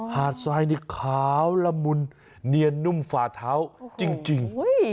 ฮาดใส่นิดขาวละมุลเนียนนุ่มฝาเท้าจริง